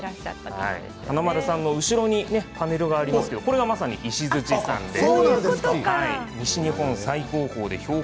華丸さんの後ろにパネルがありますがこれが石鎚山です。